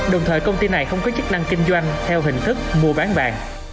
đồng thời công ty này không có chức năng kinh doanh theo hình thức mua bán vàng